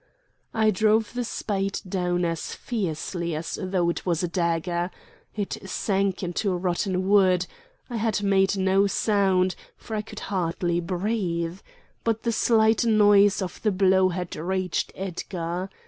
I drove the spade down as fiercely as though it was a dagger. It sank into rotten wood. I had made no sound; for I could hardly breathe. But the slight noise of the blow had reached Edgar.